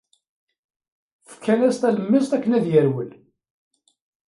Fkan-as talemmiẓt akken ad yerwel.